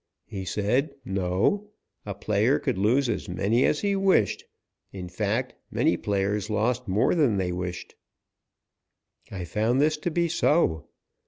He said no, a player could lose as many as he wished; in fact many players lost more than they wished. I found this to be so.